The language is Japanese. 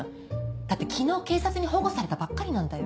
だって昨日警察に保護されたばっかりなんだよ？